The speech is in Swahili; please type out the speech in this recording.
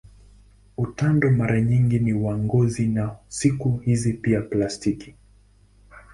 Utando mara nyingi ni wa ngozi na siku hizi pia plastiki.